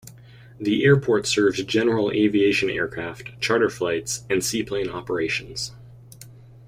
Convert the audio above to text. The airport serves general aviation aircraft, charter flights and seaplane operations.